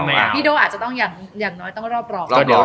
ไม่เอาพี่โด้อาจจะต้องอย่างอย่างน้อยต้องรอบรอบรอบรอบ